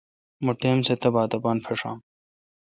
مہ ٹائم سہ تہ باتھ اپان پݭام۔